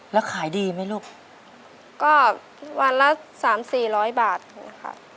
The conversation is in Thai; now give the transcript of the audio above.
แล้วขายดีไหมลูกก็วันละสามสี่ร้อยบาทนะคะ